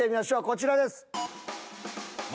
こちらです。